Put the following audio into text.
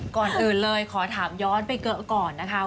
ก่อนอื่นเลยขอถามย้อนไปเกอะก่อนนะคะ